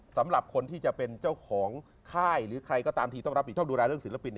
สำหรับคนที่จะเป็นเจ้าของค่ายหรือใครก็ตามทีต้องรับผิดชอบดูแลเรื่องศิลปิน